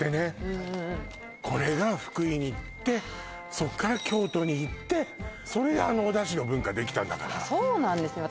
うんうんこれが福井に行ってそっから京都に行ってそれであのお出汁の文化できたんだからそうなんですね